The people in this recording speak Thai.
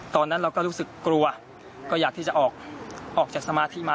ตอนนั้นเราก็รู้สึกกลัวก็อยากที่จะออกจากสมาธิมา